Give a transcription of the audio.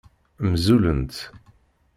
Mzulent.